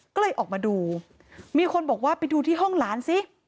ก็เลยออกมาดูมีคนบอกว่าไปดูที่ห้องหลานซิ